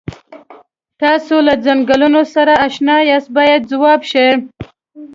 تاسو له څنګلونو سره اشنا یاست باید ځواب شي.